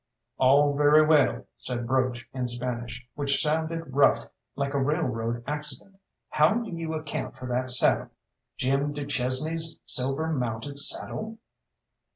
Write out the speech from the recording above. "All very well," said Broach in Spanish, which sounded rough like a railroad accident, "how do you account for that saddle, Jim du Chesnay's silver mounted saddle?"